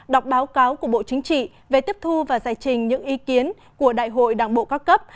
đọc báo cáo của bộ chính trị về tiếp thu và giải trình những ý kiến của đại hội đảng bộ các cấp